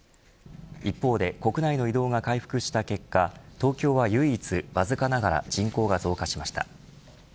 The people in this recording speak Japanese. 一方で国内の移動が回復した結果東京は唯一、わずかながら人口が増加しました。